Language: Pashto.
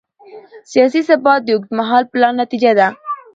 سیاسي ثبات د اوږدمهاله پلان نتیجه ده